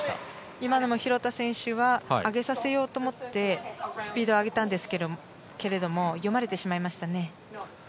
今のも廣田選手は上げさせようと思ってスピードを上げたんですけど読まれてしまいましたね。